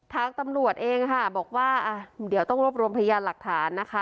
ทางตำรวจเองค่ะบอกว่าเดี๋ยวต้องรวบรวมพยานหลักฐานนะคะ